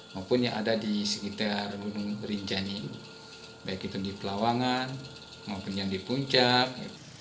maupun yang ada di sekitar gunung rinjani baik itu di pelawangan maupun yang di puncak